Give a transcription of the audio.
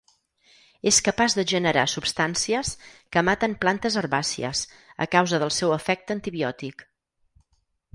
És capaç de generar substàncies que maten plantes herbàcies, a causa del seu efecte antibiòtic.